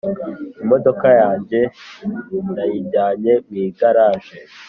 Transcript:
Imodoka yajye nayijyanye mwigaraje